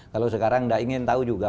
kalau sekarang tidak ingin tahu juga